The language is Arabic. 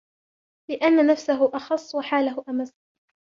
لِأَنَّ نَفْسَهُ أَخَصُّ وَحَالَهُ أَمَسُّ